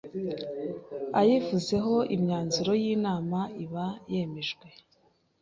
ayivuzeho imyanzuro y inama iba yemejwe